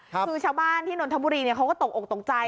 คือชาวบ้านที่นนทบุรีเขาก็ตกอกตกใจ